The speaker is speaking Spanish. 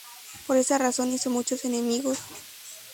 Por esa razón hizo muchos enemigos.